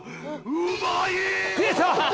うまい！